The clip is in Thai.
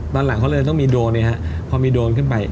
ตอนหลังเขาเลยต้องมีโดรนพอมีโดรนขึ้นไป